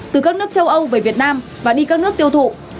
từ các nước châu âu về việt nam và đi các nước tiêu thụ